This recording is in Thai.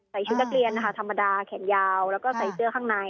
ชุดนักเรียนนะคะธรรมดาแขนยาวแล้วก็ใส่เสื้อข้างใน